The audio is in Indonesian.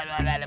aduh aduh aduh